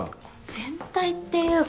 全体っていうか。